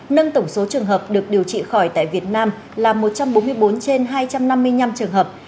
nâng tổng số trường hợp được điều trị khỏi tại việt nam là một trăm bốn mươi bốn trên hai trăm năm mươi năm trường hợp